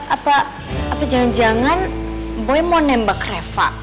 apa jangan jangan boy mau nembak reva